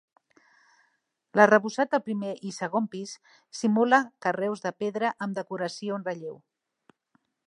L'arrebossat del primer i segon pis simula carreus de pedra amb decoració en relleu.